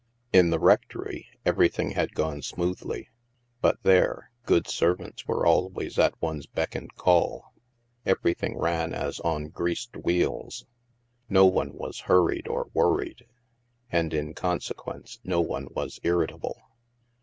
In the rectory, everything had gone smoothly. But there, good servants were always at one's beck and call. Everything ran as on greased wheels. No one was hurried or worried. And, in conse quence, no one was irritable.